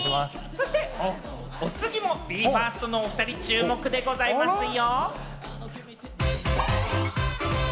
そしてお次もＢＥ：ＦＩＲＳＴのおふたり、注目ですよ。